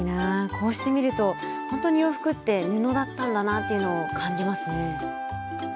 こうしてみるとほんとに洋服って布だったんだなっていうのを感じますね。